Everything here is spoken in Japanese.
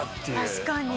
確かに。